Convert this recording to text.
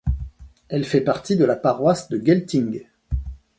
Elle fait partie de la paroisse de Gelting.